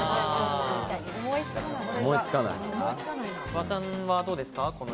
フワちゃんどうですか？